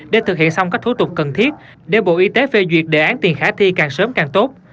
để thực hiện xong các thủ tục cần thiết để bộ y tế phê duyệt đề án tiền khả thi càng sớm càng tốt